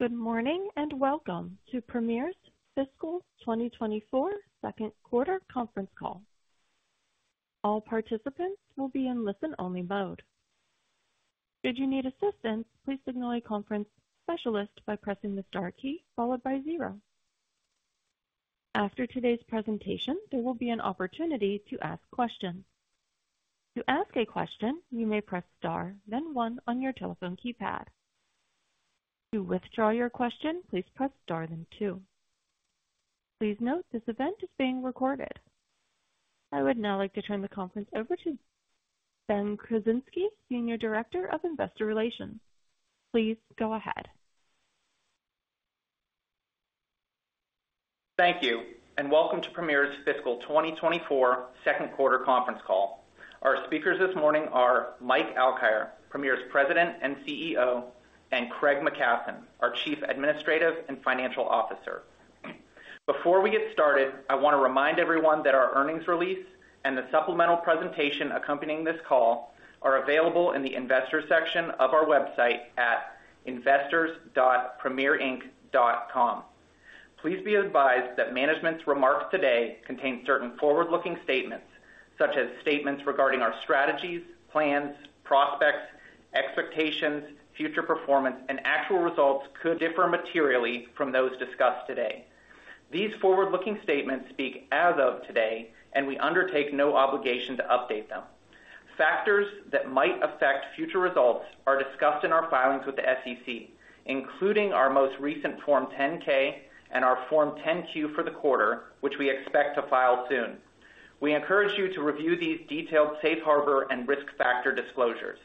Good morning, and welcome to Premier's Fiscal 2024 second quarter conference call. All participants will be in listen-only mode. Should you need assistance, please signal a conference specialist by pressing the star key followed by zero. After today's presentation, there will be an opportunity to ask questions. To ask a question, you may press star, then one on your telephone keypad. To withdraw your question, please press star then two. Please note, this event is being recorded. I would now like to turn the conference over to Ben Krasinski, Senior Director of Investor Relations. Please go ahead. Thank you, and welcome to Premier's Fiscal 2024 second quarter conference call. Our speakers this morning are Mike Alkire, Premier's President and CEO, and Craig McKasson, our Chief Administrative and Financial Officer. Before we get started, I wanna remind everyone that our earnings release and the supplemental presentation accompanying this call are available in the investor section of our website at investors.premierinc.com. Please be advised that management's remarks today contain certain forward-looking statements, such as statements regarding our strategies, plans, prospects, expectations, future performance, and actual results could differ materially from those discussed today. These forward-looking statements speak as of today, and we undertake no obligation to update them. Factors that might affect future results are discussed in our filings with the SEC, including our most recent Form 10-K and our Form 10-Q for the quarter, which we expect to file soon. We encourage you to review these detailed safe harbor and risk factor disclosures.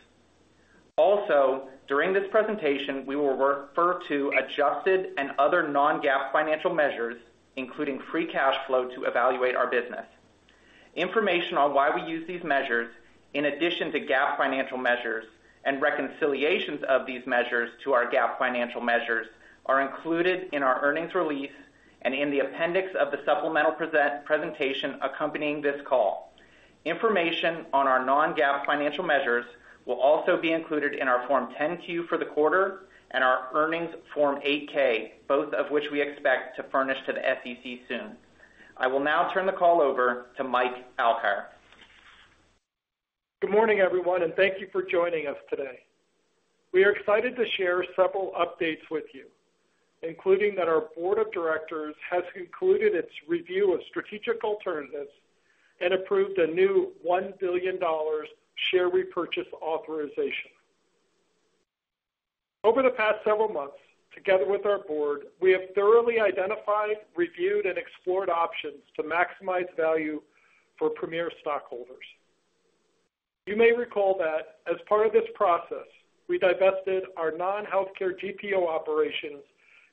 Also, during this presentation, we will refer to adjusted and other non-GAAP financial measures, including free cash flow, to evaluate our business. Information on why we use these measures in addition to GAAP financial measures and reconciliations of these measures to our GAAP financial measures, are included in our earnings release and in the appendix of the supplemental presentation accompanying this call. Information on our non-GAAP financial measures will also be included in our Form 10-Q for the quarter and our earnings Form 8-K, both of which we expect to furnish to the SEC soon. I will now turn the call over to Mike Alkire. Good morning, everyone, and thank you for joining us today. We are excited to share several updates with you, including that our board of directors has concluded its review of strategic alternatives and approved a new $1 billion share repurchase authorization. Over the past several months, together with our board, we have thoroughly identified, reviewed, and explored options to maximize value for Premier stockholders. You may recall that as part of this process, we divested our non-healthcare GPO operations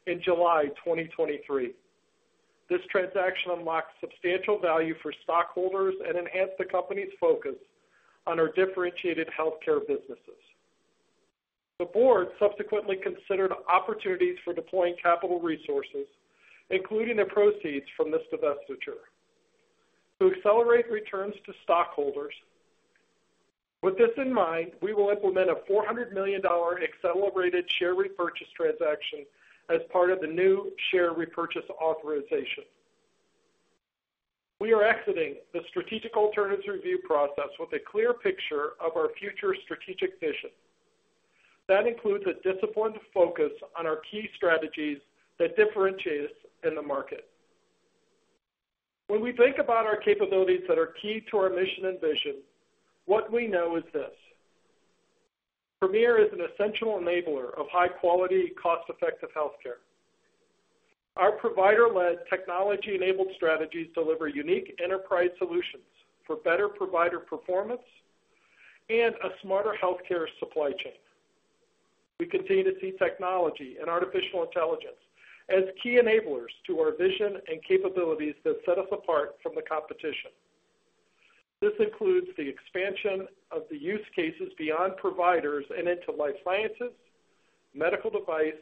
in July 2023. This transaction unlocks substantial value for stockholders and enhanced the company's focus on our differentiated healthcare businesses. The board subsequently considered opportunities for deploying capital resources, including the proceeds from this divestiture, to accelerate returns to stockholders. With this in mind, we will implement a $400 million accelerated share repurchase transaction as part of the new share repurchase authorization. We are exiting the strategic alternatives review process with a clear picture of our future strategic vision. That includes a disciplined focus on our key strategies that differentiate us in the market. When we think about our capabilities that are key to our mission and vision, what we know is this: Premier is an essential enabler of high quality, cost-effective healthcare. Our provider-led, technology-enabled strategies deliver unique enterprise solutions for better provider performance and a smarter healthcare supply chain. We continue to see technology and artificial intelligence as key enablers to our vision and capabilities that set us apart from the competition. This includes the expansion of the use cases beyond providers and into life sciences, medical device,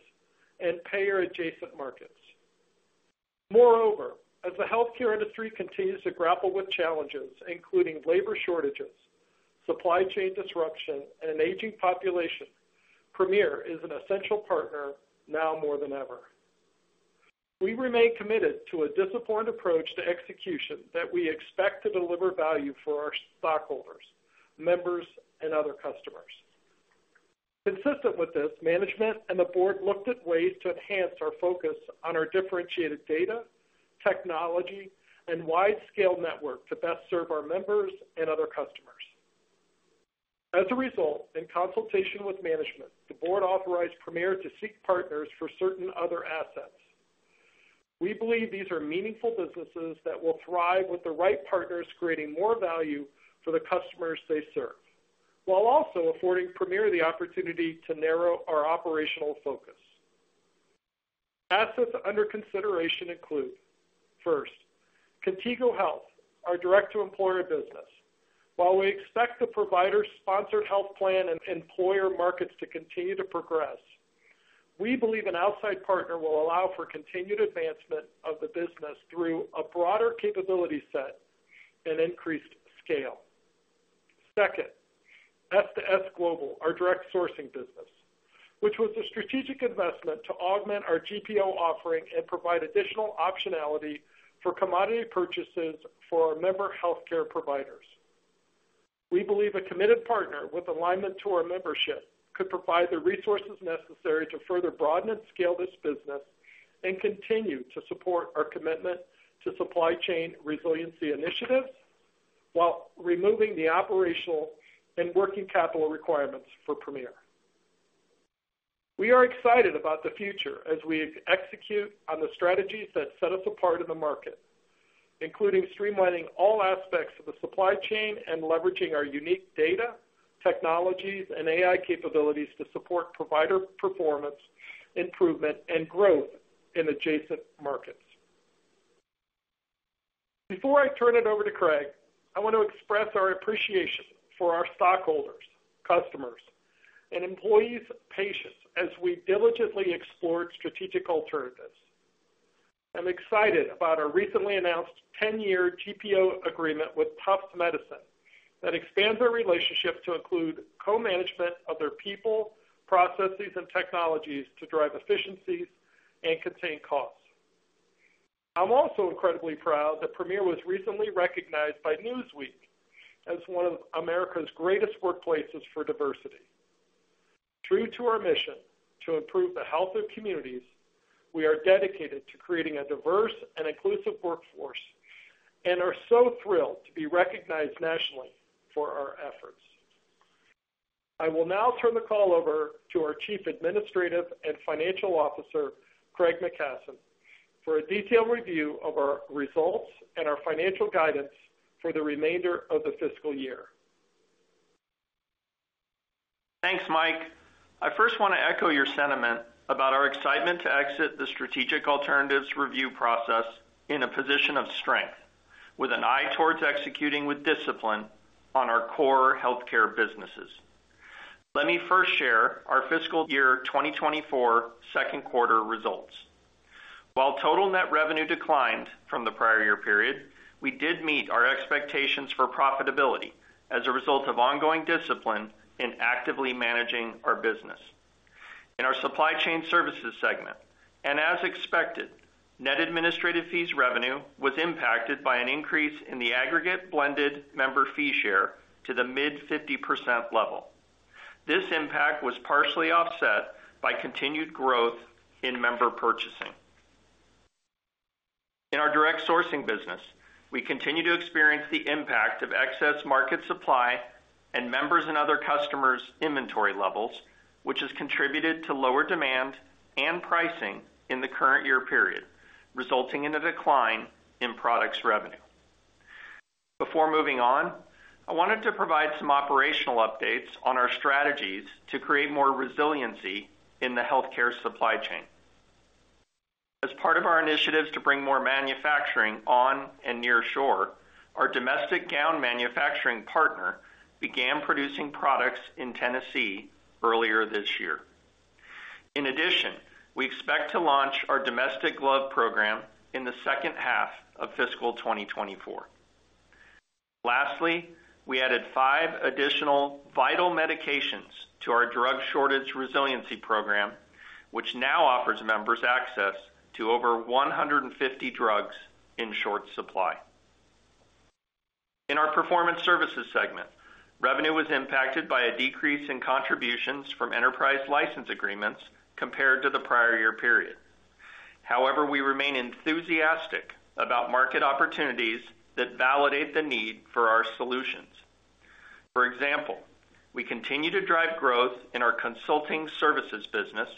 and payer-adjacent markets. Moreover, as the healthcare industry continues to grapple with challenges, including labor shortages, supply chain disruption, and an aging population, Premier is an essential partner now more than ever. We remain committed to a disciplined approach to execution that we expect to deliver value for our stockholders, members, and other customers. Consistent with this, management and the board looked at ways to enhance our focus on our differentiated data, technology, and wide-scale network to best serve our members and other customers. As a result, in consultation with management, the board authorized Premier to seek partners for certain other assets. We believe these are meaningful businesses that will thrive with the right partners, creating more value for the customers they serve, while also affording Premier the opportunity to narrow our operational focus. Assets under consideration include, first, Contigo Health, our direct-to-employer business. While we expect the provider-sponsored health plan and employer markets to continue to progress, we believe an outside partner will allow for continued advancement of the business through a broader capability set and increased scale. Second S2S Global, our direct sourcing business, which was a strategic investment to augment our GPO offering and provide additional optionality for commodity purchases for our member healthcare providers. We believe a committed partner with alignment to our membership could provide the resources necessary to further broaden and scale this business and continue to support our commitment to supply chain resiliency initiatives, while removing the operational and working capital requirements for Premier. We are excited about the future as we execute on the strategies that set us apart in the market, including streamlining all aspects of the supply chain and leveraging our unique data, technologies, and AI capabilities to support provider performance, improvement, and growth in adjacent markets. Before I turn it over to Craig, I want to express our appreciation for our stockholders, customers, and employees' patience as we diligently explored strategic alternatives. I'm excited about our recently announced 10-year GPO agreement with Tufts Medicine, that expands our relationship to include co-management of their people, processes, and technologies to drive efficiencies and contain costs. I'm also incredibly proud that Premier was recently recognized by Newsweek as one of America's greatest workplaces for diversity. True to our mission to improve the health of communities, we are dedicated to creating a diverse and inclusive workforce, and are so thrilled to be recognized nationally for our efforts. I will now turn the call over to our Chief Administrative and Financial Officer, Craig McKasson, for a detailed review of our results and our financial guidance for the remainder of the fiscal year. Thanks, Mike. I first want to echo your sentiment about our excitement to exit the strategic alternatives review process in a position of strength, with an eye towards executing with discipline on our core healthcare businesses. Let me first share our fiscal year 2024 second quarter results. While total net revenue declined from the prior year period, we did meet our expectations for profitability as a result of ongoing discipline in actively managing our business. In our supply chain services segment, and as expected, net administrative fees revenue was impacted by an increase in the aggregate blended member fee share to the mid-50% level. This impact was partially offset by continued growth in member purchasing. In our direct sourcing business, we continue to experience the impact of excess market supply and members and other customers' inventory levels, which has contributed to lower demand and pricing in the current year period, resulting in a decline in products revenue. Before moving on, I wanted to provide some operational updates on our strategies to create more resiliency in the healthcare supply chain. As part of our initiatives to bring more manufacturing on and near shore, our domestic gown manufacturing partner began producing products in Tennessee earlier this year. In addition, we expect to launch our domestic glove program in the second half of fiscal 2024. Lastly, we added five additional vital medications to our drug shortage resiliency program, which now offers members access to over 150 drugs in short supply. In our Performance Services segment, revenue was impacted by a decrease in contributions from Enterprise License Agreements compared to the prior year period. However, we remain enthusiastic about market opportunities that validate the need for our solutions. For example, we continue to drive growth in our consulting services business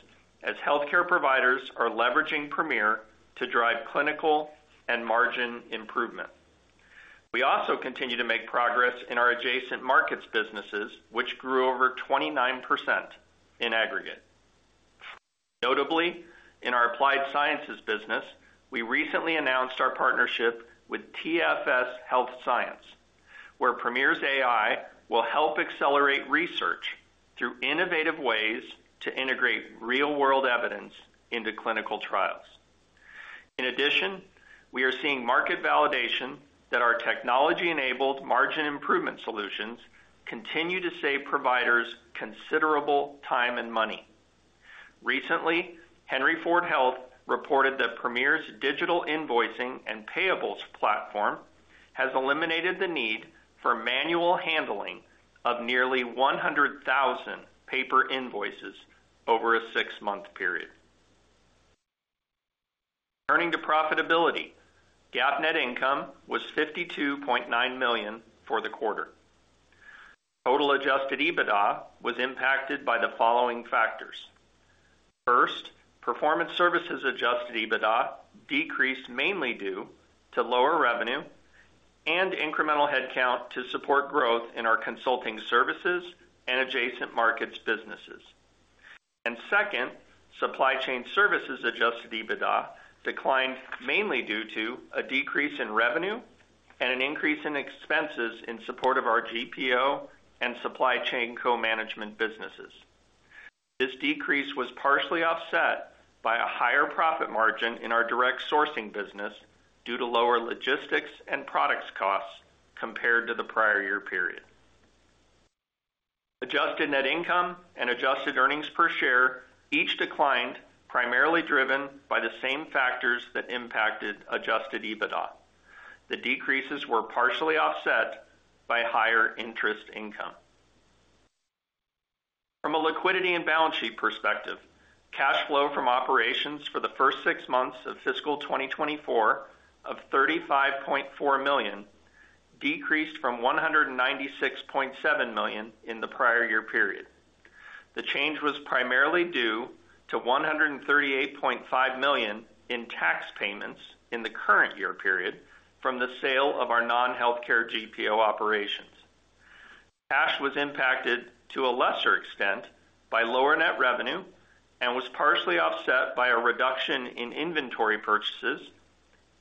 as healthcare providers are leveraging Premier to drive clinical and margin improvement. We also continue to make progress in our adjacent markets businesses, which grew over 29% in aggregate. Notably, in our applied sciences business, we recently announced our partnership with TFS HealthScience, where Premier's AI will help accelerate research through innovative ways to integrate real-world evidence into clinical trials. In addition, we are seeing market validation that our technology-enabled margin improvement solutions continue to save providers considerable time and money. Recently, Henry Ford Health reported that Premier's digital invoicing and payables platform has eliminated the need for manual handling of nearly 100,000 paper invoices over a six-month period. Turning to profitability, GAAP net income was $52.9 million for the quarter. Total Adjusted EBITDA was impacted by the following factors: first, Performance Services Adjusted EBITDA decreased mainly due to lower revenue and incremental headcount to support growth in our consulting services and adjacent markets businesses. And second, Supply Chain Services Adjusted EBITDA declined mainly due to a decrease in revenue and an increase in expenses in support of our GPO and supply chain co-management businesses. This decrease was partially offset by a higher profit margin in our direct sourcing business due to lower logistics and products costs compared to the prior year period. Adjusted net income and adjusted earnings per share each declined, primarily driven by the same factors that impacted adjusted EBITDA. The decreases were partially offset by higher interest income. From a liquidity and balance sheet perspective, cash flow from operations for the first six months of fiscal 2024 of $35.4 million decreased from $196.7 million in the prior year period. The change was primarily due to $138.5 million in tax payments in the current year period from the sale of our non-healthcare GPO operations. Cash was impacted to a lesser extent by lower net revenue and was partially offset by a reduction in inventory purchases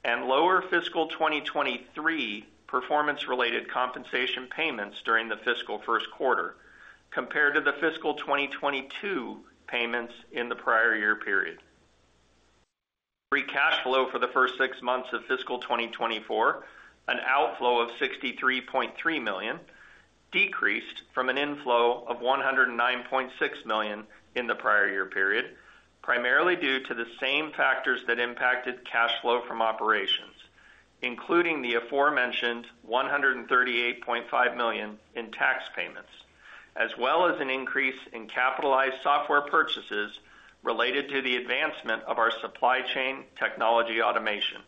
and lower fiscal 2023 performance-related compensation payments during the fiscal first quarter, compared to the fiscal 2022 payments in the prior year period. Free cash flow for the first six months of fiscal 2024, an outflow of $63.3 million, decreased from an inflow of $109.6 million in the prior year period, primarily due to the same factors that impacted cash flow from operations, including the aforementioned $138.5 million in tax payments, as well as an increase in capitalized software purchases related to the advancement of our supply chain technology automation.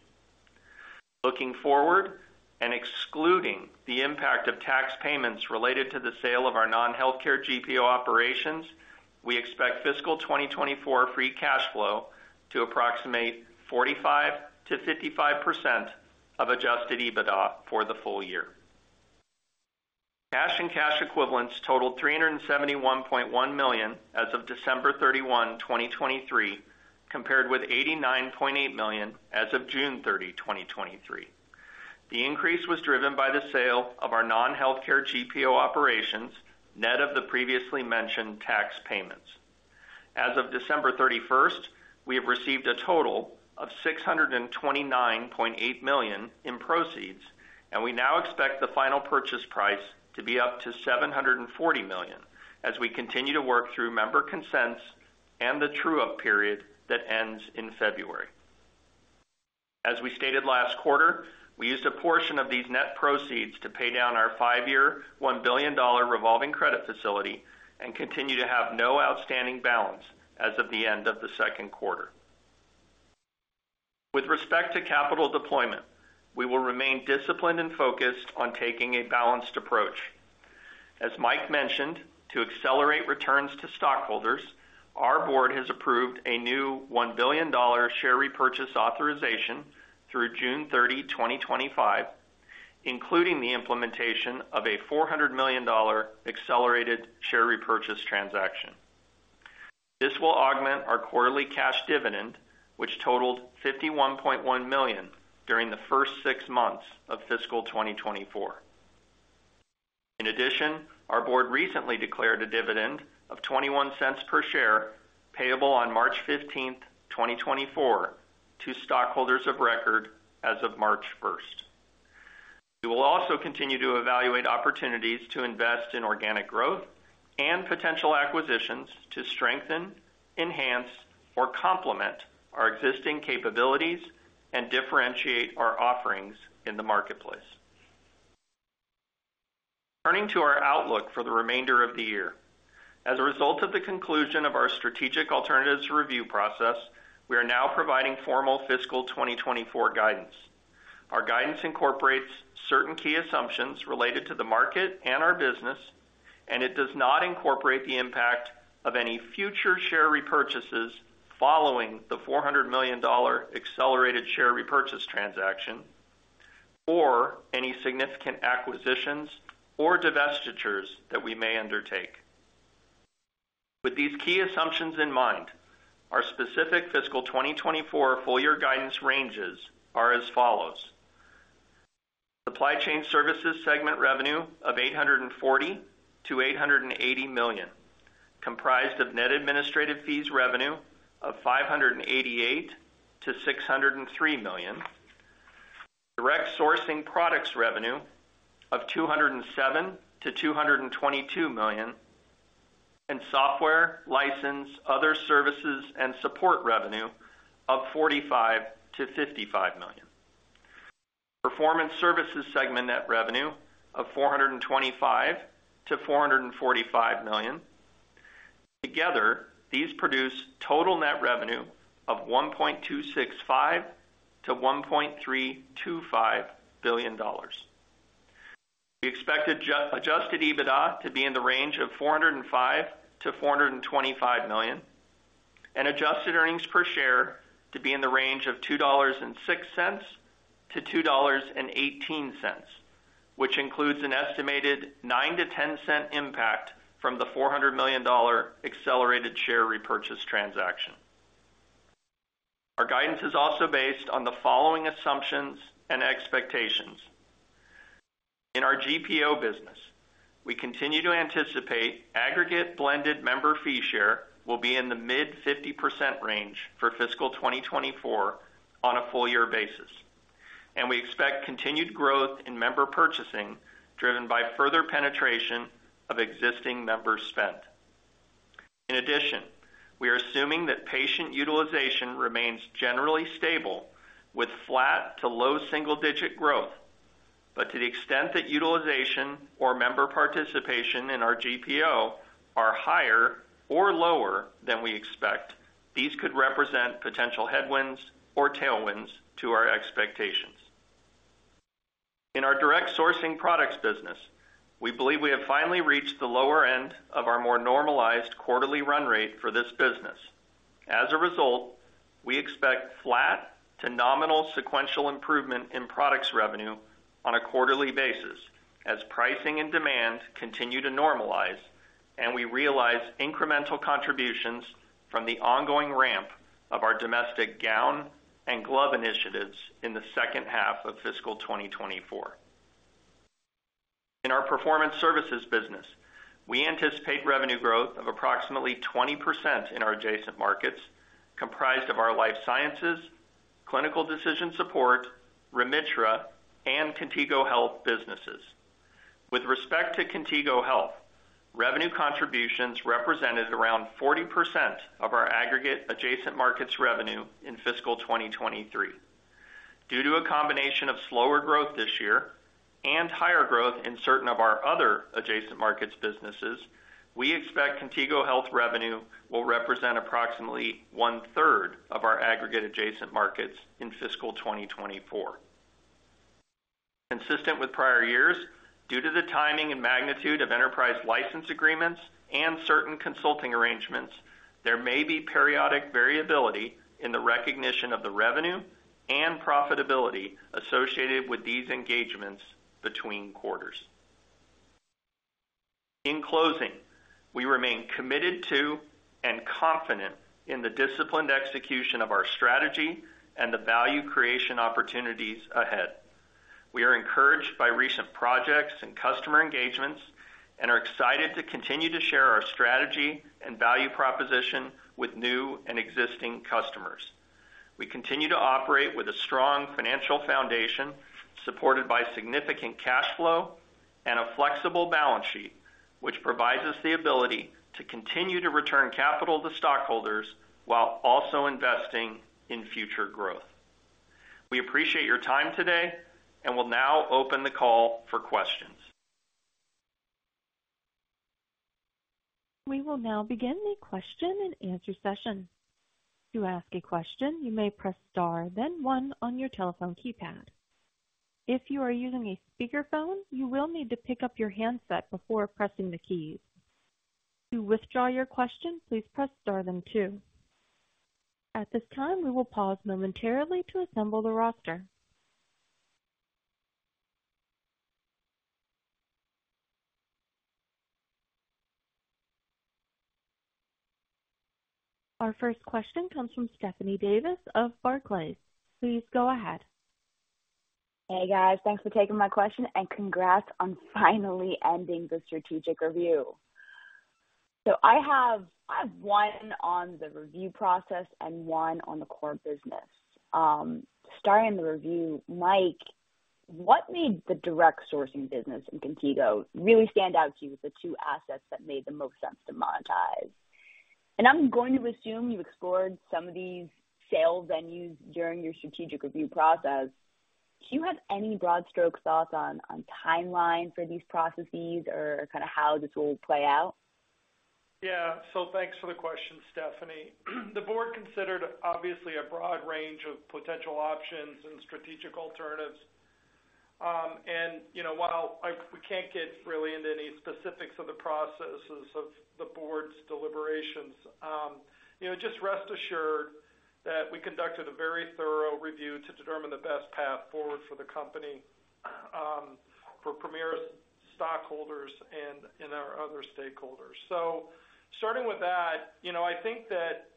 Looking forward, and excluding the impact of tax payments related to the sale of our non-healthcare GPO operations, we expect fiscal 2024 free cash flow to approximate 45%-55% of Adjusted EBITDA for the full year. Cash and cash equivalents totaled $371.1 million as of December 31, 2023, compared with $89.8 million as of June 30, 2023. The increase was driven by the sale of our non-healthcare GPO operations, net of the previously mentioned tax payments. As of December 31, we have received a total of $629.8 million in proceeds, and we now expect the final purchase price to be up to $740 million as we continue to work through member consents and the true-up period that ends in February. As we stated last quarter, we used a portion of these net proceeds to pay down our five year, $1 billion revolving credit facility and continue to have no outstanding balance as of the end of the second quarter. With respect to capital deployment, we will remain disciplined and focused on taking a balanced approach. As Mike mentioned, to accelerate returns to stockholders, our board has approved a new $1 billion share repurchase authorization through June 30, 2025, including the implementation of a $400 million accelerated share repurchase transaction. This will augment our quarterly cash dividend, which totaled $51.1 million during the first six months of fiscal 2024. In addition, our board recently declared a dividend of $0.21 per share, payable on March 15, 2024, to stockholders of record as of March 1. We will also continue to evaluate opportunities to invest in organic growth and potential acquisitions to strengthen, enhance, or complement our existing capabilities and differentiate our offerings in the marketplace. Turning to our outlook for the remainder of the year. As a result of the conclusion of our strategic alternatives review process, we are now providing formal fiscal 2024 guidance. Our guidance incorporates certain key assumptions related to the market and our business, and it does not incorporate the impact of any future share repurchases following the $400 million accelerated share repurchase transaction, or any significant acquisitions or divestitures that we may undertake. With these key assumptions in mind, our specific fiscal 2024 full year guidance ranges are as follows: Supply chain services segment revenue of $840 million-$880 million, comprised of net administrative fees revenue of $588 million-$603 million, direct sourcing products revenue of $207 million-$222 million, and software, license, other services, and support revenue of $45 million-$55 million. Performance services segment net revenue of $425 million-$445 million. Together, these produce total net revenue of $1.265 billion-$1.325 billion. We expect adjusted EBITDA to be in the range of $405 million-$425 million, and adjusted earnings per share to be in the range of $2.06-$2.18, which includes an estimated $0.09-$0.10 impact from the $400 million accelerated share repurchase transaction. Our guidance is also based on the following assumptions and expectations. In our GPO business, we continue to anticipate aggregate blended member fee share will be in the mid-50% range for fiscal 2024 on a full year basis, and we expect continued growth in member purchasing, driven by further penetration of existing member spend. In addition, we are assuming that patient utilization remains generally stable with flat to low single-digit growth. But to the extent that utilization or member participation in our GPO are higher or lower than we expect, these could represent potential headwinds or tailwinds to our expectations. In our direct sourcing products business, we believe we have finally reached the lower end of our more normalized quarterly run rate for this business. As a result, we expect flat to nominal sequential improvement in products revenue on a quarterly basis, as pricing and demand continue to normalize, and we realize incremental contributions from the ongoing ramp of our domestic gown and glove initiatives in the second half of fiscal 2024. In our Performance Services business, we anticipate revenue growth of approximately 20% in our adjacent markets, comprised of our life sciences, clinical decision support, Remitra and Contigo Health businesses. With respect to Contigo Health, revenue contributions represented around 40% of our aggregate adjacent markets revenue in fiscal 2023. Due to a combination of slower growth this year and higher growth in certain of our other adjacent markets businesses, we expect Contigo Health revenue will represent approximately one-third of our aggregate adjacent markets in fiscal 2024. Consistent with prior years, due to the timing and magnitude of enterprise license agreements and certain consulting arrangements, there may be periodic variability in the recognition of the revenue and profitability associated with these engagements between quarters. In closing, we remain committed to and confident in the disciplined execution of our strategy and the value creation opportunities ahead. We are encouraged by recent projects and customer engagements, and are excited to continue to share our strategy and value proposition with new and existing customers. We continue to operate with a strong financial foundation, supported by significant cash flow and a flexible balance sheet, which provides us the ability to continue to return capital to stockholders while also investing in future growth. We appreciate your time today, and we'll now open the call for questions. We will now begin the question and answer session. To ask a question, you may press star, then one on your telephone keypad. If you are using a speakerphone, you will need to pick up your handset before pressing the keys. To withdraw your question, please press star, then two. At this time, we will pause momentarily to assemble the roster. Our first question comes from Stephanie Davis of Barclays. Please go ahead. Hey, guys. Thanks for taking my question, and congrats on finally ending the strategic review. So I have one on the review process and one on the core business. Starting the review, Mike, what made the direct sourcing business in Contigo really stand out to you as the two assets that made the most sense to monetize? And I'm going to assume you explored some of these sales venues during your strategic review process. Do you have any broad stroke thoughts on timeline for these processes or kinda how this will play out? Yeah. So thanks for the question, Stephanie. The board considered, obviously, a broad range of potential options and strategic alternatives. And, you know, while we can't get really into any specifics of the processes of the board's deliberations, you know, just rest assured that we conducted a very thorough review to determine the best path forward for the company, for Premier's stockholders and our other stakeholders. So starting with that, you know, I think that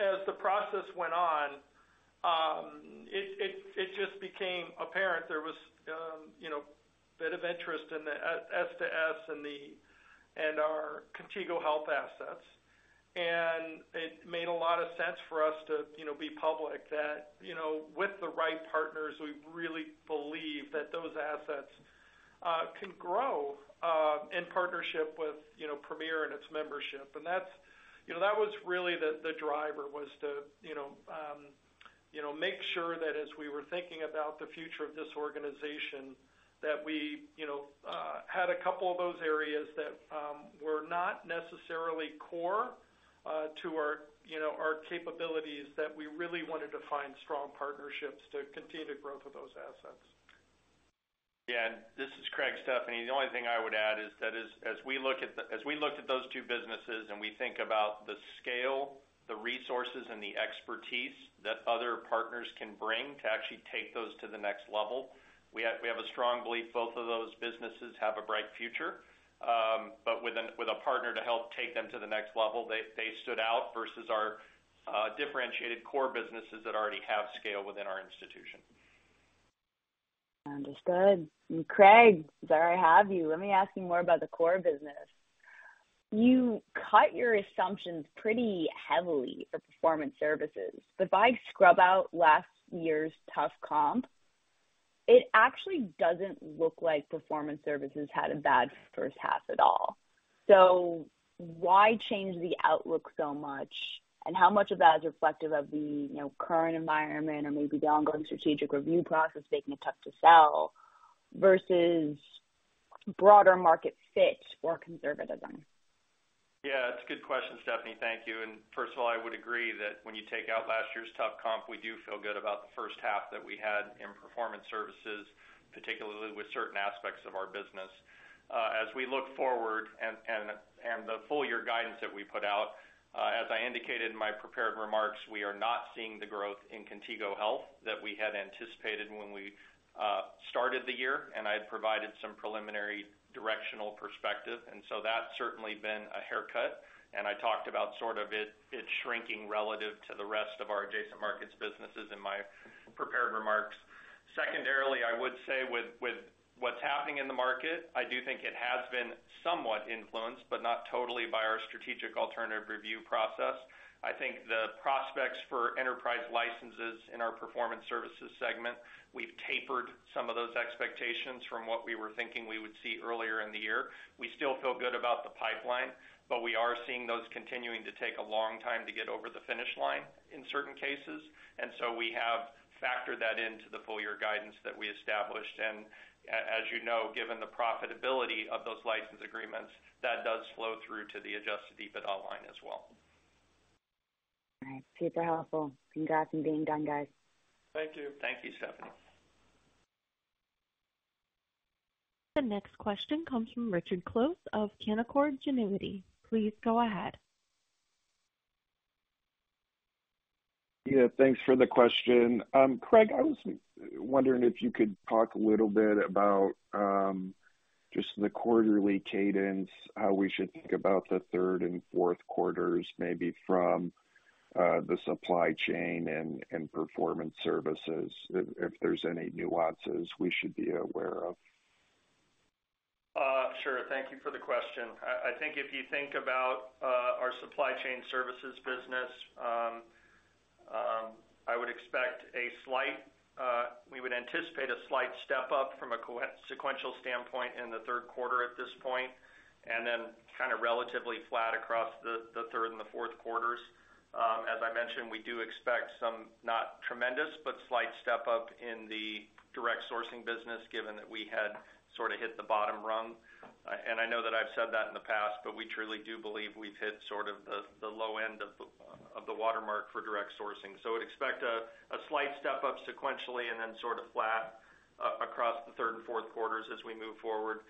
as the process went on, it just became apparent there was, you know, a bit of interest in the S2S and our Contigo Health assets. It made a lot of sense for us to, you know, be public, that, you know, with the right partners, we really believe that those assets can grow in partnership with, you know, Premier and its membership. That's, you know, that was really the driver, was to, you know, make sure that as we were thinking about the future of this organization, that we, you know, had a couple of those areas that were not necessarily core to our, you know, our capabilities, that we really wanted to find strong partnerships to continue the growth of those assets. Yeah, and this is Craig, Stephanie. The only thing I would add is that as we looked at those two businesses, and we think about the scale, the resources, and the expertise that partners can bring to actually take those to the next level. We have a strong belief both of those businesses have a bright future, but with a partner to help take them to the next level, they stood out versus our differentiated core businesses that already have scale within our institution. Understood. And Craig, there I have you. Let me ask you more about the core business. You cut your assumptions pretty heavily for Performance Services, but if I scrub out last year's tough comp, it actually doesn't look like Performance Services had a bad first half at all. So why change the outlook so much? And how much of that is reflective of the, you know, current environment or maybe the ongoing strategic review process making it tough to sell versus broader market fit or conservatism? Yeah, that's a good question, Stephanie. Thank you. And first of all, I would agree that when you take out last year's tough comp, we do feel good about the first half that we had in Performance Services, particularly with certain aspects of our business. As we look forward and the full year guidance that we put out, as I indicated in my prepared remarks, we are not seeing the growth in Contigo Health that we had anticipated when we started the year, and I had provided some preliminary directional perspective, and so that's certainly been a haircut, and I talked about sort of it shrinking relative to the rest of our adjacent markets businesses in my prepared remarks. Secondarily, I would say with what's happening in the market, I do think it has been somewhat influenced, but not totally, by our strategic alternative review process. I think the prospects for enterprise licenses in our Performance Services segment, we've tapered some of those expectations from what we were thinking we would see earlier in the year. We still feel good about the pipeline, but we are seeing those continuing to take a long time to get over the finish line in certain cases, and so we have factored that into the full year guidance that we established. And as you know, given the profitability of those license agreements, that does flow through to the adjusted EBITDA line as well. All right. Super helpful. Congrats on being done, guys. Thank you. Thank you, Stephanie. The next question comes from Richard Close of Canaccord Genuity. Please go ahead. Yeah, thanks for the question. Craig, I was wondering if you could talk a little bit about just the quarterly cadence, how we should think about the third and fourth quarters, maybe from the supply chain and Performance Services, if there's any nuances we should be aware of. Sure. Thank you for the question. I think if you think about our supply chain services business, I would expect a slight... We would anticipate a slight step up from a sequential standpoint in the third quarter at this point, and then kind of relatively flat across the third and the fourth quarters. As I mentioned, we do expect some, not tremendous, but slight step up in the direct sourcing business, given that we had sort of hit the bottom rung. And I know that I've said that in the past, but we truly do believe we've hit sort of the low end of the watermark for direct sourcing. So I'd expect a slight step up sequentially and then sort of flat across the third and fourth quarters as we move forward.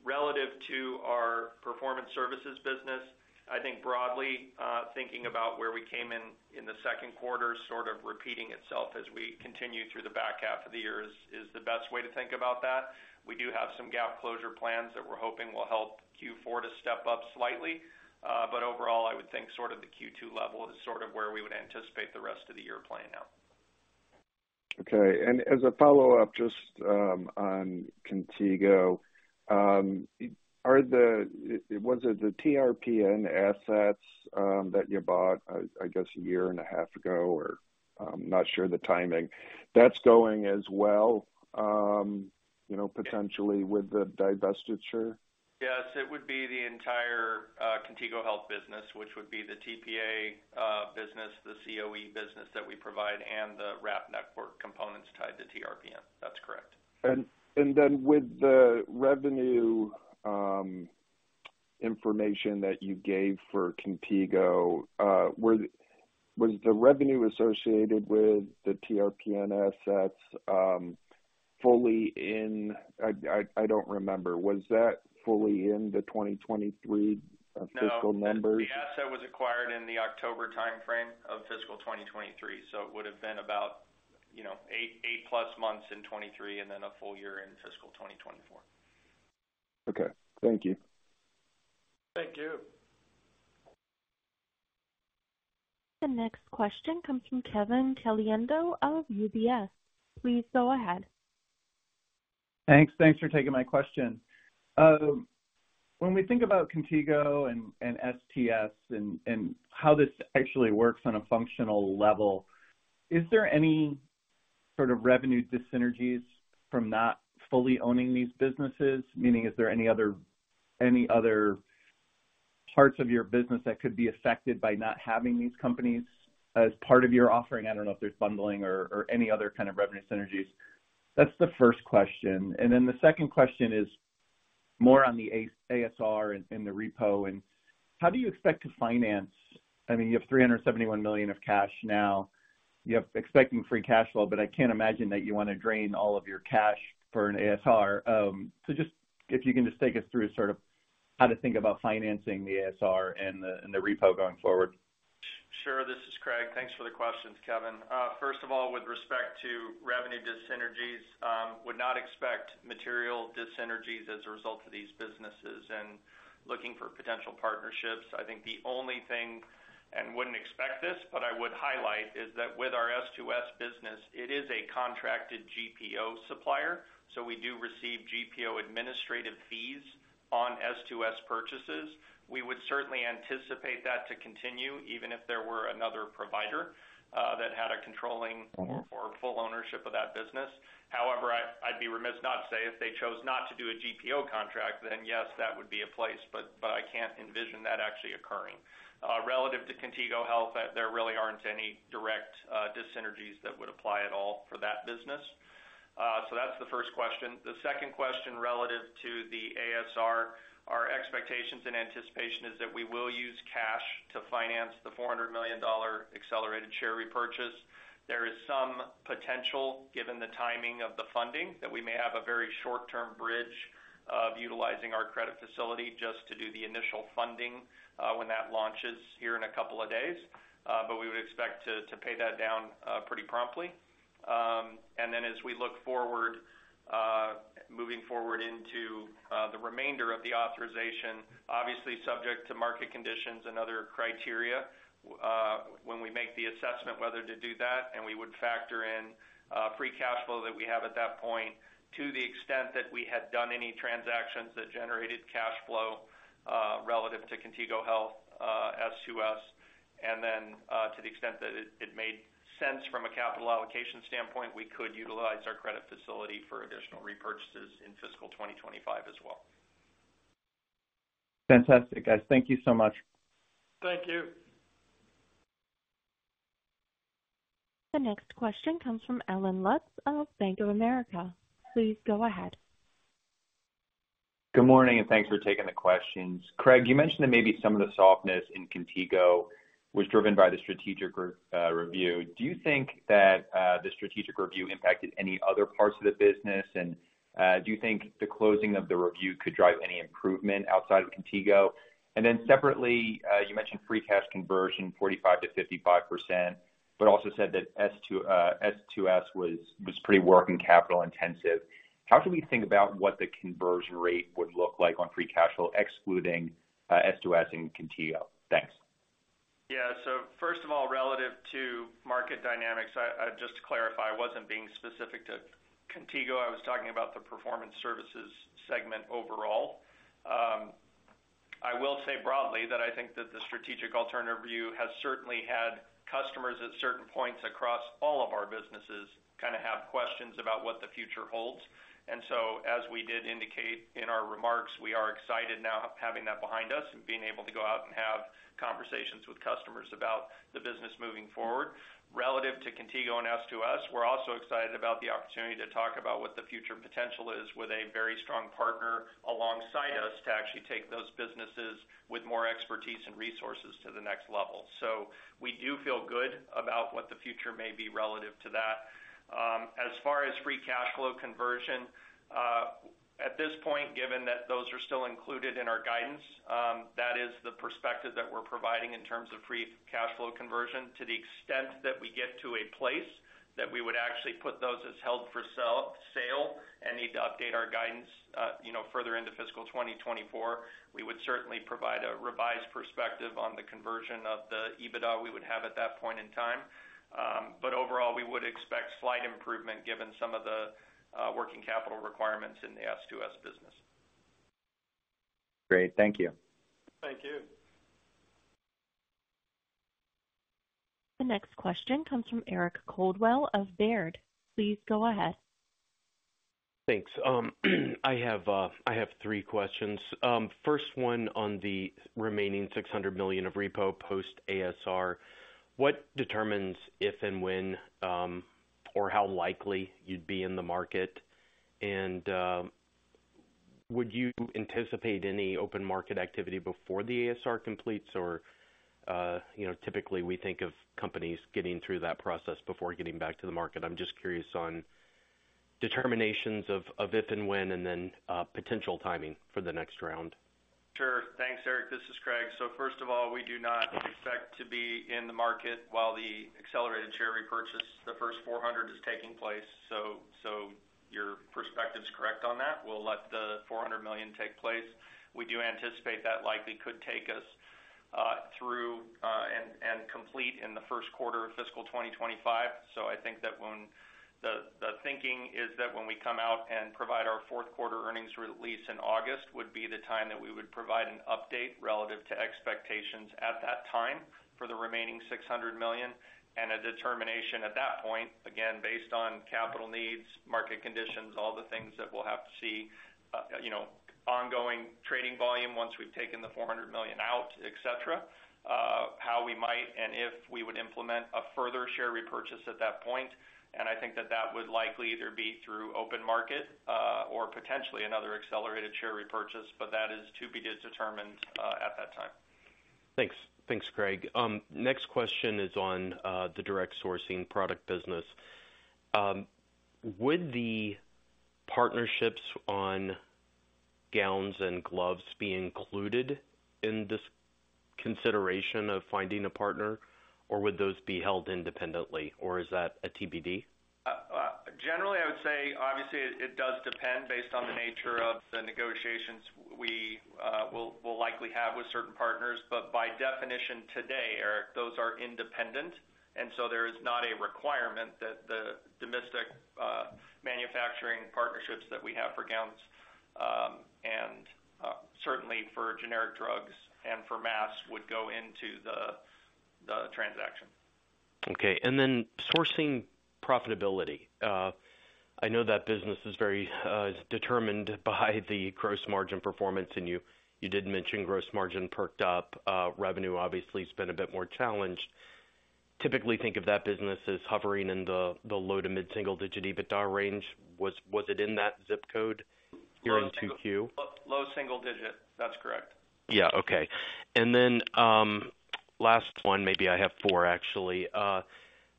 Relative to our Performance Services business, I think broadly, thinking about where we came in, in the second quarter, sort of repeating itself as we continue through the back half of the year is the best way to think about that. We do have some gap closure plans that we're hoping will help Q4 to step up slightly. But overall, I would think sort of the Q2 level is sort of where we would anticipate the rest of the year playing out. Okay. As a follow-up, just on Contigo, was it the TRPN assets that you bought, I guess, a year and a half ago, or I'm not sure the timing, that's going as well, you know, potentially with the divestiture? Yes, it would be the entire Contigo Health business, which would be the TPA business, the COE business that we provide, and the wrap network components tied to TRPN. That's correct. With the revenue information that you gave for Contigo, was the revenue associated with the TRPN assets fully in the 2023 fiscal year? I don't remember. Was that fully in the 2023 fiscal year? No, the asset was acquired in the October timeframe of fiscal 2023, so it would have been about, you know, 8, 8-plus months in 2023, and then a full year in fiscal 2024. Okay. Thank you. Thank you. The next question comes from Kevin Caliendo of UBS. Please go ahead. Thanks. Thanks for taking my question. When we think about Contigo and, and S2S and, and how this actually works on a functional level, is there any sort of revenue dyssynergies from not fully owning these businesses? Meaning, is there any other, any other parts of your business that could be affected by not having these companies as part of your offering? I don't know if there's bundling or, or any other kind of revenue synergies. That's the first question. And then the second question is more on the ASR and, and the repo, and how do you expect to finance? I mean, you have $371 million of cash now. You have expecting free cash flow, but I can't imagine that you want to drain all of your cash for an ASR. So just if you can just take us through sort of, how to think about financing the ASR and the repo going forward? Sure. This is Craig. Thanks for the questions, Kevin. First of all, with respect to revenue dyssynergies, would not expect material dyssynergies as a result of these businesses and looking for potential partnerships. I think the only thing, and wouldn't expect this, but I would highlight, is that with our S2S business, it is a contracted GPO supplier, so we do receive GPO administrative fees on S2S purchases. We would certainly anticipate that to continue, even if there were another provider that had a controlling or full ownership of that business. However, I'd be remiss not to say if they chose not to do a GPO contract, then yes, that would be in place, but I can't envision that actually occurring. Relative to Contigo Health, there really aren't any direct dyssynergies that would apply at all for that business. So that's the first question. The second question, relative to the ASR, our expectations and anticipation is that we will use cash to finance the $400 million accelerated share repurchase. There is some potential, given the timing of the funding, that we may have a very short-term bridge of utilizing our credit facility just to do the initial funding, when that launches here in a couple of days. But we would expect to pay that down pretty promptly. And then as we look forward, moving forward into the remainder of the authorization, obviously subject to market conditions and other criteria, when we make the assessment whether to do that, and we would factor in free cash flow that we have at that point, to the extent that we had done any transactions that generated cash flow, relative to Contigo Health, S2S. And then, to the extent that it made sense from a capital allocation standpoint, we could utilize our credit facility for additional repurchases in fiscal 2025 as well. Fantastic, guys. Thank you so much. Thank you. The next question comes from Alan Lutz of Bank of America. Please go ahead. Good morning, and thanks for taking the questions. Craig, you mentioned that maybe some of the softness in Contigo was driven by the strategic review. Do you think that the strategic review impacted any other parts of the business? And do you think the closing of the review could drive any improvement outside of Contigo? And then separately, you mentioned free cash conversion, 45%-55%, but also said that S2S was pretty working capital intensive. How can we think about what the conversion rate would look like on free cash flow, excluding S2S and Contigo? Thanks. Yeah. So first of all, relative to market dynamics, I just to clarify, I wasn't being specific to Contigo. I was talking about the Performance Services segment overall. I will say broadly that I think that the strategic alternative view has certainly had customers at certain points across all of our businesses kind of have questions about what the future holds. And so as we did indicate in our remarks, we are excited now having that behind us and being able to go out and have conversations with customers about the business moving forward. Relative to Contigo and S2S, we're also excited about the opportunity to talk about what the future potential is with a very strong partner alongside us, to actually take those businesses with more expertise and resources to the next level. So we do feel good about what the future may be relative to that. As far as free cash flow conversion, at this point, given that those are still included in our guidance, that is the perspective that we're providing in terms of free cash flow conversion. To the extent that we get to a place that we would actually put those as held for sale and need to update our guidance, you know, further into fiscal 2024, we would certainly provide a revised perspective on the conversion of the EBITDA we would have at that point in time. But overall, we would expect slight improvement given some of the working capital requirements in the S2S business. Great. Thank you. Thank you. The next question comes from Eric Coldwell of Baird. Please go ahead. Thanks. I have, I have three questions. First one on the remaining $600 million of repo post ASR, what determines if and when, or how likely you'd be in the market? And, would you anticipate any open market activity before the ASR completes? Or, you know, typically, we think of companies getting through that process before getting back to the market. I'm just curious on determinations of, of if and when, and then, potential timing for the next round. Sure. Thanks, Eric. This is Craig. So first of all, we do not expect to be in the market while the accelerated share repurchase, the first $400 million, is taking place. So your perspective is correct on that. We'll let the $400 million take place. We do anticipate that likely could take us through and complete in the first quarter of fiscal 2025. So I think that the thinking is that when we come out and provide our fourth quarter earnings release in August, would be the time that we would provide an update relative to expectations at that time for the remaining $600 million. A determination at that point, again, based on capital needs, market conditions, all the things that we'll have to see, you know, ongoing trading volume once we've taken the $400 million out, et cetera, how we might and if we would implement a further share repurchase at that point, and I think that that would likely either be through open market, or potentially another accelerated share repurchase, but that is to be determined at that time. Thanks. Thanks, Craig. Next question is on the direct sourcing product business. Would the partnerships on gowns and gloves be included in this consideration of finding a partner, or would those be held independently, or is that a TBD? Generally, I would say, obviously, it does depend based on the nature of the negotiations we will likely have with certain partners. But by definition, today, Eric, those are independent, and so there is not a requirement that the domestic manufacturing partnerships that we have for gowns, and certainly for generic drugs and for masks, would go into the transaction. Okay, and then sourcing profitability. I know that business is very determined by the gross margin performance, and you did mention gross margin perked up. Revenue, obviously, has been a bit more challenged. Typically, think of that business as hovering in the low to mid-single digit EBITDA range. Was it in that zip code during 2Q? Low single digit. That's correct. Yeah. Okay. And then, last one, maybe I have four, actually.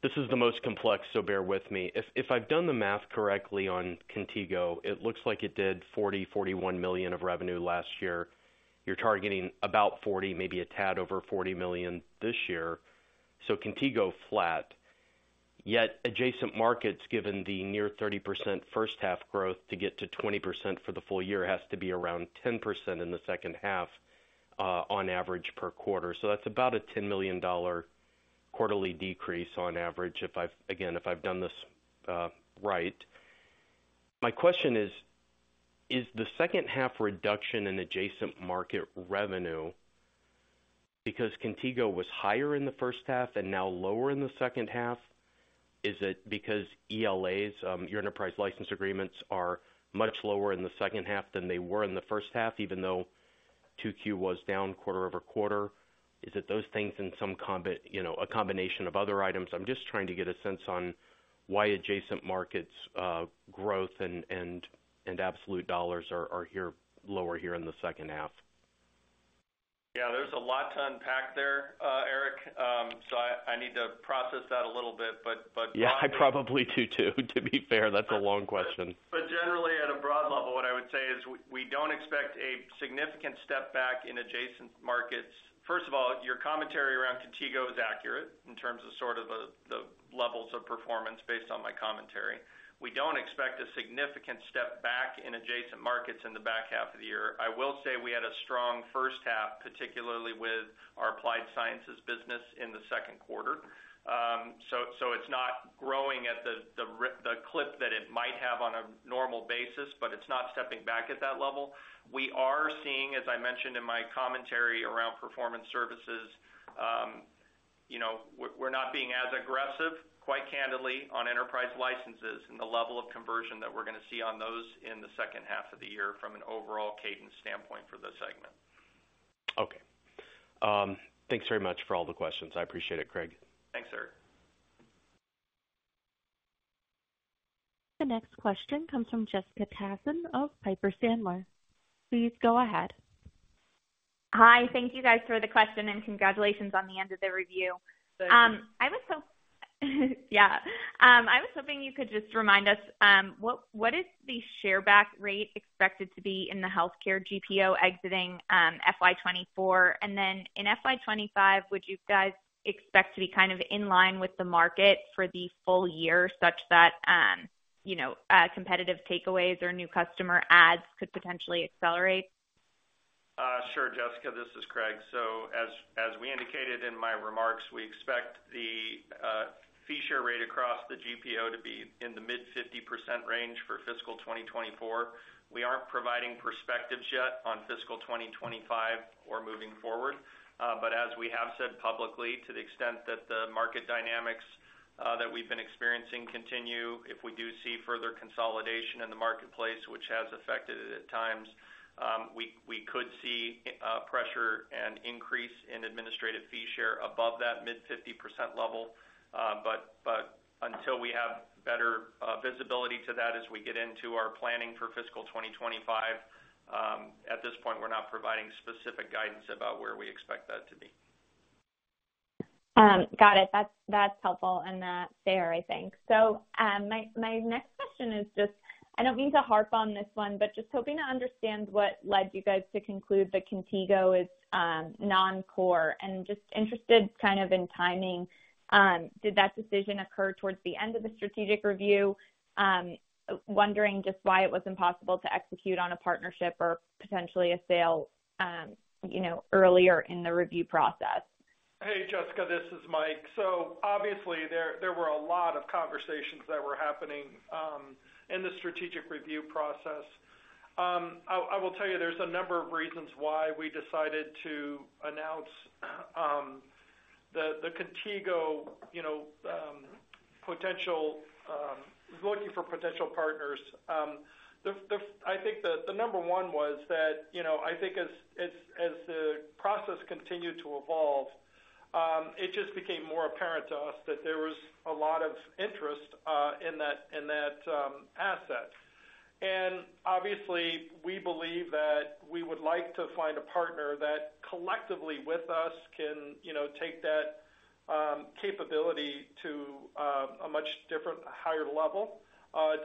This is the most complex, so bear with me. If, if I've done the math correctly on Contigo, it looks like it did $41 million of revenue last year. You're targeting about $40 million, maybe a tad over $40 million this year. So Contigo, flat. Yet Adjacent Markets, given the near 30% first half growth to get to 20% for the full year, has to be around 10% in the second half, on average per quarter. So that's about a $10 million quarterly decrease on average, if I've, again, if I've done this, right. My question is: Is the second half reduction in Adjacent Market revenue because Contigo was higher in the first half and now lower in the second half? Is it because ELAs, your enterprise license agreements, are much lower in the second half than they were in the first half, even though 2Q was down quarter-over-quarter? Is it those things and some you know, a combination of other items? I'm just trying to get a sense on why Adjacent Markets growth and absolute dollars are here lower here in the second half. Yeah, there's a lot to unpack there, Eric. So I need to process that a little bit, but- Yeah, I probably do, too, to be fair, that's a long question. Generally, at a broad level, what I would say is we don't expect a significant step back in Adjacent Markets. First of all, your commentary around Contigo is accurate in terms of sort of the levels of performance, based on my commentary. We don't expect a significant step back in Adjacent Markets in the back half of the year. I will say we had a strong first half, particularly with our applied sciences business in the second quarter. So it's not growing at the clip that it might have on a normal basis, but it's not stepping back at that level. We are seeing, as I mentioned in my commentary around Performance Services, you know, we're, we're not being as aggressive, quite candidly, on enterprise licenses and the level of conversion that we're gonna see on those in the second half of the year from an overall cadence standpoint for the segment. Okay. Thanks very much for all the questions. I appreciate it, Craig. Thanks, Eric. The next question comes from Jessica Tassan of Piper Sandler. Please go ahead. Hi, thank you guys for the question, and congratulations on the end of the review. Thanks. I was hoping you could just remind us, what is the share back rate expected to be in the healthcare GPO exiting FY 2024? And then in FY 2025, would you guys expect to be kind of in line with the market for the full year, such that, you know, competitive takeaways or new customer ads could potentially accelerate? Sure, Jessica. This is Craig. So as we indicated in my remarks, we expect the fee share rate across the GPO to be in the mid-50% range for fiscal 2024. We aren't providing perspectives yet on fiscal 2025 or moving forward. But as we have said publicly, to the extent that the market dynamics that we've been experiencing continue, if we do see further consolidation in the marketplace, which has affected it at times, we could see pressure and increase in administrative fee share above that mid-50% level. But until we have better visibility to that as we get into our planning for fiscal 2025, at this point, we're not providing specific guidance about where we expect that to be. Got it. That's helpful, and that's fair, I think. So, my next question is just, I don't mean to harp on this one, but just hoping to understand what led you guys to conclude that Contigo is non-core, and just interested kind of in timing. Did that decision occur towards the end of the strategic review? Wondering just why it was impossible to execute on a partnership or potentially a sale, you know, earlier in the review process. Hey, Jessica, this is Mike. So obviously, there, there were a lot of conversations that were happening in the strategic review process. I will tell you, there's a number of reasons why we decided to announce the Contigo, you know, potential looking for potential partners. The, I think the number one was that, you know, I think as, as, as the process continued to evolve- It just became more apparent to us that there was a lot of interest in that asset. And obviously, we believe that we would like to find a partner that collectively with us can, you know, take that capability to a much different, higher level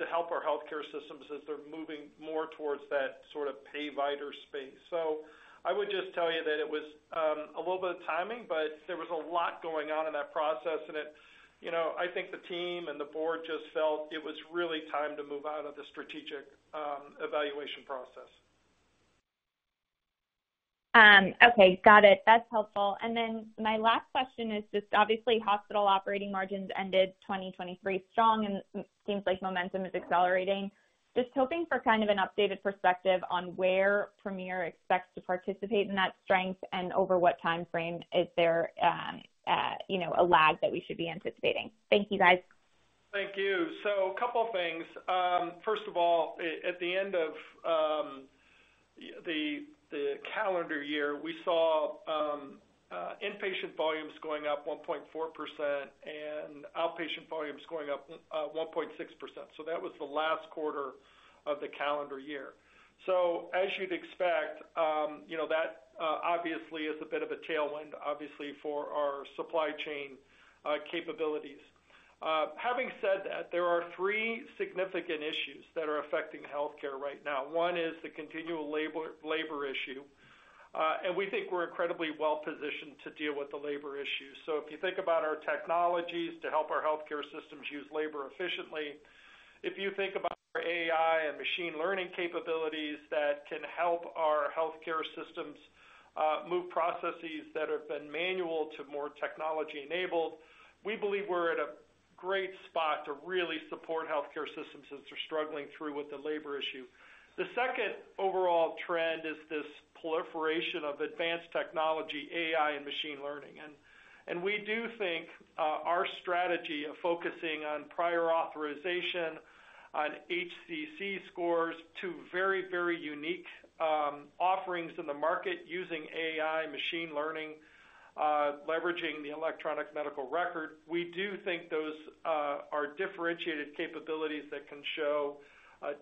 to help our healthcare systems as they're moving more towards that sort of payvider space. So I would just tell you that it was a little bit of timing, but there was a lot going on in that process. And it you know, I think the team and the board just felt it was really time to move out of the strategic evaluation process. Okay, got it. That's helpful. And then my last question is just obviously, hospital operating margins ended 2023 strong, and it seems like momentum is accelerating. Just hoping for kind of an updated perspective on where Premier expects to participate in that strength and over what timeframe is there, you know, a lag that we should be anticipating. Thank you, guys. Thank you. So a couple of things. First of all, at the end of the calendar year, we saw inpatient volumes going up 1.4% and outpatient volumes going up 1.6%. So that was the last quarter of the calendar year. So as you'd expect, you know, that obviously is a bit of a tailwind, obviously, for our supply chain capabilities. Having said that, there are three significant issues that are affecting healthcare right now. One is the continual labor issue, and we think we're incredibly well-positioned to deal with the labor issue. So if you think about our technologies to help our healthcare systems use labor efficiently, if you think about our AI and machine learning capabilities that can help our healthcare systems move processes that have been manual to more technology-enabled, we believe we're at a great spot to really support healthcare systems as they're struggling through with the labor issue. The second overall trend is this proliferation of advanced technology, AI, and machine learning. And we do think our strategy of focusing on prior authorization, on HCC scores, two very, very unique offerings in the market, using AI machine learning, leveraging the electronic medical record. We do think those are differentiated capabilities that can show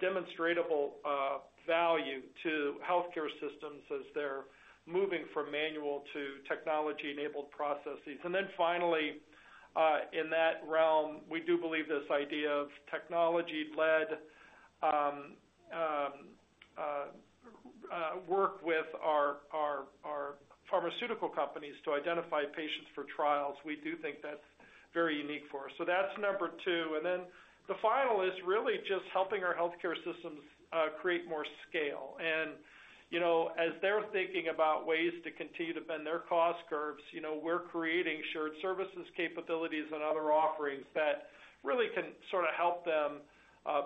demonstrable value to healthcare systems as they're moving from manual to technology-enabled processes. And then finally, in that realm, we do believe this idea of technology-led work with our pharmaceutical companies to identify patients for trials. We do think that's very unique for us. So that's number two. And then the final is really just helping our healthcare systems create more scale. And, you know, as they're thinking about ways to continue to bend their cost curves, you know, we're creating shared services capabilities and other offerings that really can sort of help them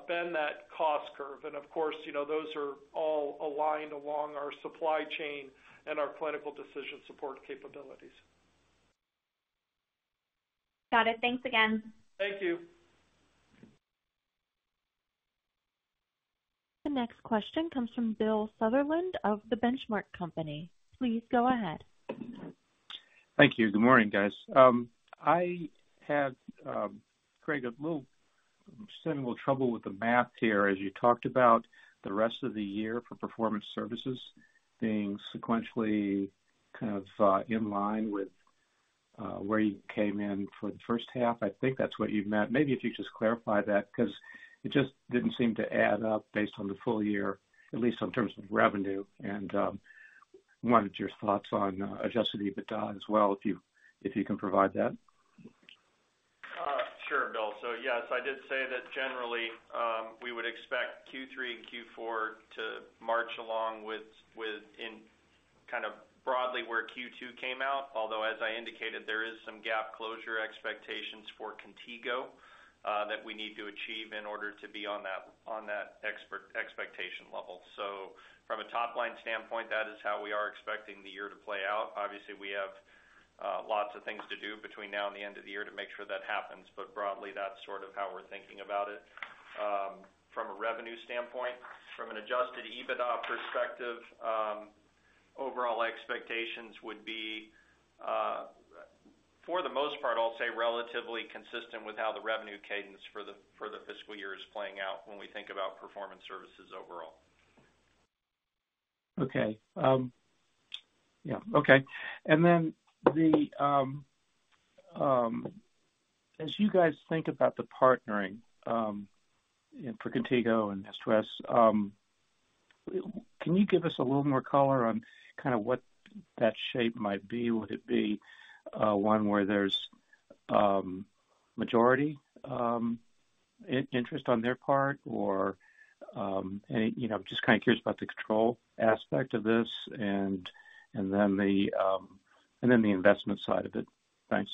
bend that cost curve. And of course, you know, those are all aligned along our supply chain and our clinical decision support capabilities. Got it. Thanks again. Thank you. The next question comes from Bill Sutherland of The Benchmark Company. Please go ahead. Thank you. Good morning, guys. I had, Craig, a little... I'm just having a little trouble with the math here. As you talked about the rest of the year for Performance Services being sequentially kind of in line with where you came in for the first half. I think that's what you've meant. Maybe if you just clarify that, 'cause it just didn't seem to add up based on the full year, at least in terms of revenue, and wanted your thoughts on adjusted EBITDA as well, if you can provide that. Sure, Bill. So yes, I did say that generally we would expect Q3 and Q4 to march along with, with in kind of broadly where Q2 came out. Although, as I indicated, there is some gap closure expectations for Contigo that we need to achieve in order to be on that, on that expectation level. So from a top-line standpoint, that is how we are expecting the year to play out. Obviously, we have lots of things to do between now and the end of the year to make sure that happens, but broadly, that's sort of how we're thinking about it from a revenue standpoint. From an Adjusted EBITDA perspective, overall expectations would be, for the most part, I'll say, relatively consistent with how the revenue cadence for the fiscal year is playing out when we think about Performance Services overall. Okay. Yeah, okay. And then, as you guys think about the partnering for Contigo and S2S, can you give us a little more color on kind of what that shape might be? Would it be one where there's majority interest on their part? Or any, you know, I'm just kind of curious about the control aspect of this and then the investment side of it. Thanks.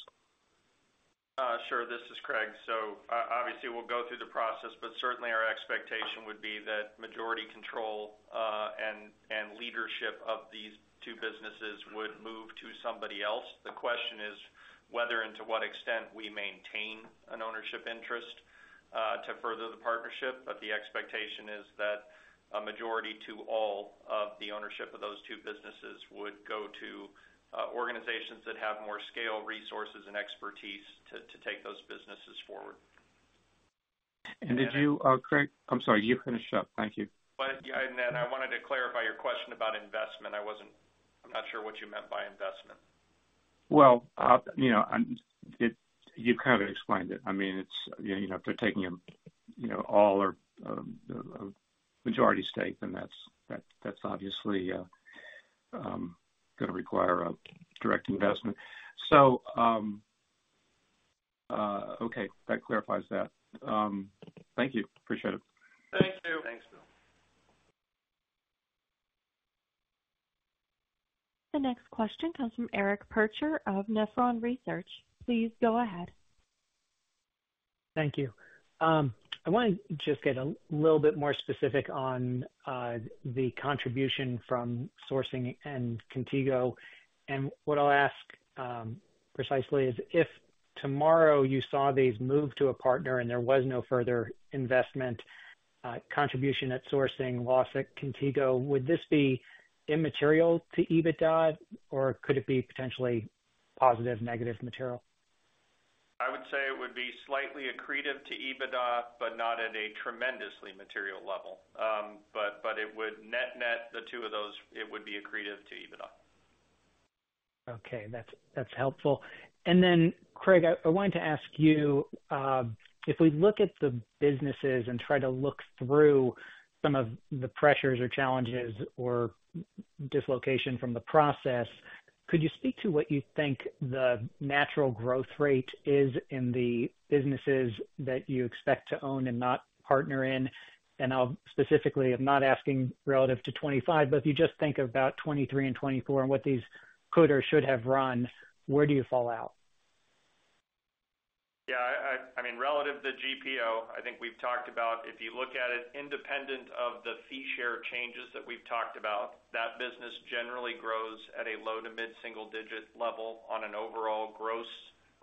Sure. This is Craig. So obviously we'll go through the process, but certainly our expectation would be that majority control and leadership of these two businesses would move to somebody else. The question is whether and to what extent we maintain ownership interest to further the partnership, but the expectation is that a majority to all of the ownership of those two businesses would go to organizations that have more scale, resources, and expertise to take those businesses forward. And did you, Craig- I'm sorry, you finish up. Thank you. But, yeah, and then I wanted to clarify your question about investment. I'm not sure what you meant by investment. Well, you know, and it... You kind of explained it. I mean, it's, you know, if they're taking, you know, all or, majority stake, then that's, that, that's obviously, gonna require a direct investment. So, okay, that clarifies that. Thank you. Appreciate it. Thank you. Thanks, Bill. The next question comes from Eric Percher of Nephron Research. Please go ahead. Thank you. I wanna just get a little bit more specific on the contribution from sourcing and Contigo. And what I'll ask precisely is, if tomorrow you saw these move to a partner and there was no further investment, contribution at sourcing loss at Contigo, would this be immaterial to EBITDA, or could it be potentially positive, negative material? I would say it would be slightly accretive to EBITDA, but not at a tremendously material level. But it would net the two of those, it would be accretive to EBITDA. Okay, that's, that's helpful. And then, Craig, I, I wanted to ask you, if we look at the businesses and try to look through some of the pressures or challenges or dislocation from the process, could you speak to what you think the natural growth rate is in the businesses that you expect to own and not partner in? And I'll specifically, I'm not asking relative to 2025, but if you just think about 2023 and 2024 and what these could or should have run, where do you fall out? Yeah, I mean, relative to GPO, I think we've talked about if you look at it, independent of the fee share changes that we've talked about, that business generally grows at a low to mid-single digit level on an overall gross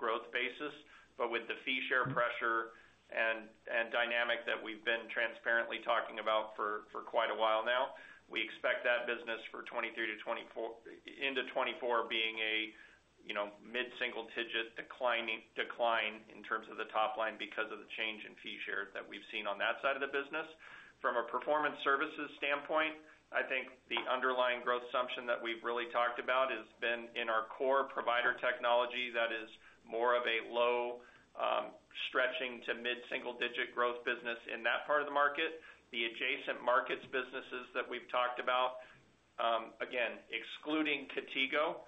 growth basis. But with the fee share pressure and dynamic that we've been transparently talking about for quite a while now, we expect that business for 2023 to 2024, into 2024, being a, you know, mid-single digit declining, decline in terms of the top line, because of the change in fee shares that we've seen on that side of the business. From a Performance Services standpoint, I think the underlying growth assumption that we've really talked about has been in our core provider technology that is more of a low, stretching to mid-single digit growth business in that part of the market. The adjacent markets businesses that we've talked about, again, excluding Contigo,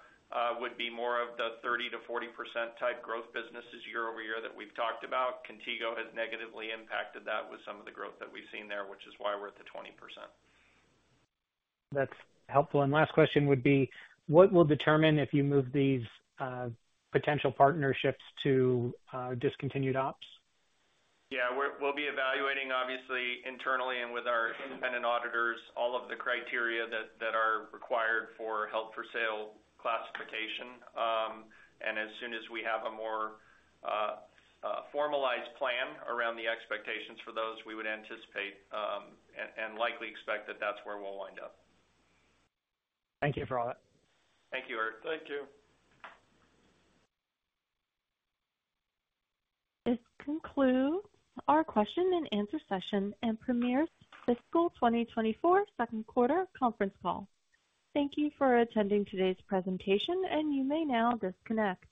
would be more of the 30%-40% type growth businesses year over year that we've talked about. Contigo has negatively impacted that with some of the growth that we've seen there, which is why we're at the 20%. That's helpful. Last question would be: What will determine if you move these potential partnerships to discontinued ops? Yeah, we'll be evaluating, obviously, internally and with our independent auditors, all of the criteria that are required for held-for-sale classification. And as soon as we have a more formalized plan around the expectations for those, we would anticipate and likely expect that that's where we'll wind up. Thank you for all that. Thank you, Eric. Thank you. This concludes our question and answer session and Premier's fiscal 2024 second quarter conference call. Thank you for attending today's presentation, and you may now disconnect.